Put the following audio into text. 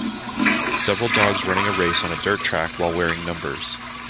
Several dogs running a race on a dirt track while wearing numbers.